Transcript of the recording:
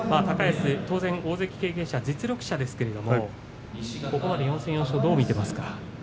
高安、当然大関経験者実力者ですけれどもここまで４戦４勝どう見ていますか。